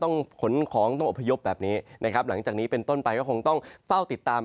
ขนของต้องอพยพแบบนี้นะครับหลังจากนี้เป็นต้นไปก็คงต้องเฝ้าติดตาม